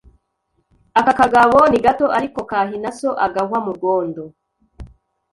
Aka kagabo ni gato ariko kahina soAgahwa mu rwondo